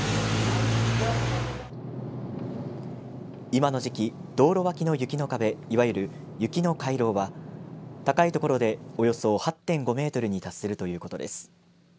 今の時期、道路脇の雪の壁いわゆる雪の回廊は高い所でおよそ８．５メートルに達するということです。